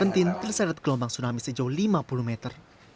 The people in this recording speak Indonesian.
terseret gelombang tsunami sejauh lima puluh meter